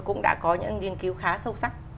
cũng đã có những nghiên cứu khá sâu sắc